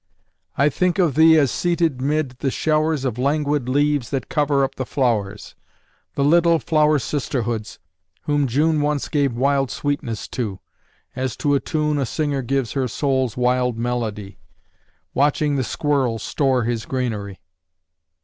I think of thee as seated 'mid the showers Of languid leaves that cover up the flowers The little flower sisterhoods, whom June Once gave wild sweetness to, as to a tune A singer gives her soul's wild melody Watching the squirrel store his granary.